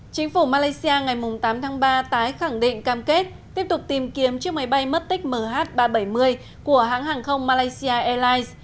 chính phủ malaysia ngày tám tháng ba tái khẳng định cam kết tiếp tục tìm kiếm chiếc máy bay mất tích mh ba trăm bảy mươi của hãng hàng không malaysia airlines